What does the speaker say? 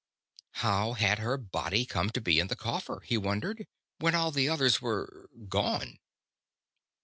How had her body come to be in the coffer, he wondered, when all the others were gone?